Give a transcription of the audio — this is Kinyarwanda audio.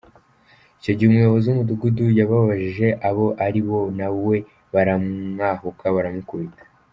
Icyo gihe umuyobozi w’umudugudu yababjije abo ari bo nawe baramwahuka baramukubita.